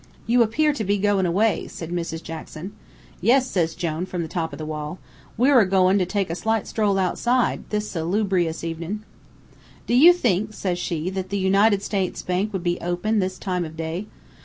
"'You appear to be goin' away,' says Mrs. Jackson. "'Yes,' says Jone from the top of the wall. We're a goin' to take a slight stroll outside, this salu brious evenin'.' "'Do you think,' says she, 'that the United States Bank would be open this time of day?'